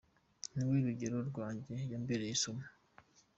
Ni we rugero rwanjye, yambereye isomo.